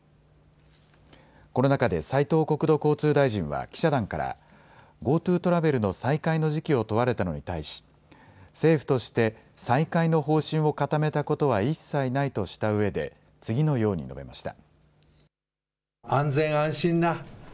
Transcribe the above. この中で斉藤国土交通大臣は記者団からＧｏＴｏトラベルの再開の時期を問われたのに対し政府として再開の方針を固めたことは一切ないとしたうえで次のように述べました。